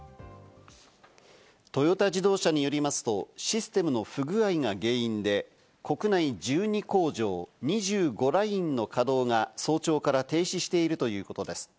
トヨタ自動車によりますと、システムの不具合が原因で国内１２工場、２５ラインの稼働が早朝から停止しているということです。